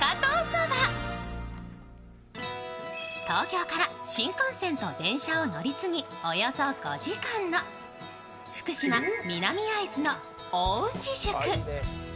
東京から新幹線と電車を乗り継ぎおよそ５時間の福島・南会津の大内宿。